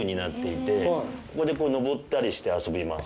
ここで登ったりして遊びます。